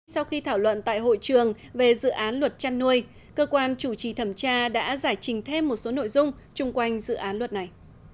sau khi thảo luận tại hội trường về dự án luật chăn nuôi cơ quan chủ trì thẩm tra đã giải trình thêm một số nội dung chung quanh dự án luật này